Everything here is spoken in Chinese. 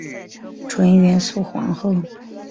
纯元肃皇后。